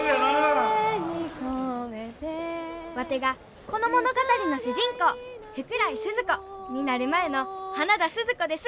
「胸にこめて」ワテがこの物語の主人公福来スズ子！になる前の花田鈴子です！